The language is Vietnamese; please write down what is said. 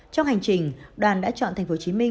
trong hành trình đoàn đã chọn tp hcm